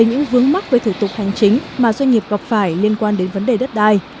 những vướng mắc với thủ tục hành chính mà doanh nghiệp gặp phải liên quan đến vấn đề đất đai